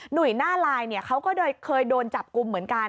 หนุ่ยหน้าลายเนี่ยเขาก็เคยโดนจับกุมเหมือนกัน